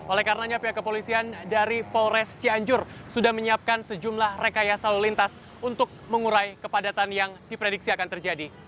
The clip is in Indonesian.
oleh karenanya pihak kepolisian dari polres cianjur sudah menyiapkan sejumlah rekayasa lalu lintas untuk mengurai kepadatan yang diprediksi akan terjadi